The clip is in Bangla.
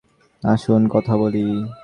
আসুন কথা বলি।